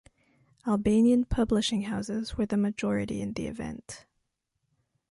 Albanian publishing houses were the majority in the event.